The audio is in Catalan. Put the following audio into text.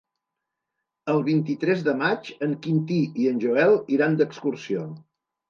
El vint-i-tres de maig en Quintí i en Joel iran d'excursió.